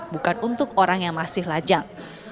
bukan untuk orang yang masih lajang